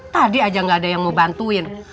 tadi aja gak ada yang mau bantuin